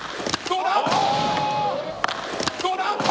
どうだ！